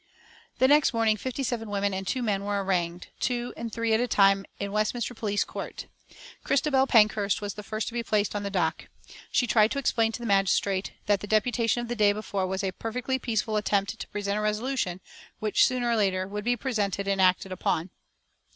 The next morning fifty seven women and two men were arraigned, two and three at a time, in Westminster police court. Christabel Pankhurst was the first to be placed in the dock. She tried to explain to the magistrate that the deputation of the day before was a perfectly peaceful attempt to present a resolution, which, sooner or later, would be presented and acted upon.